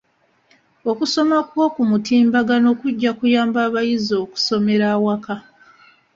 Okusoma kw'oku mutimbagano kujja kuyamba abayizi okusomera awaka.